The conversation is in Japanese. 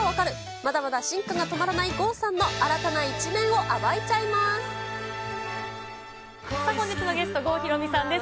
まだまだ進化が止まらない郷さんの新たな一面を暴いちゃいます。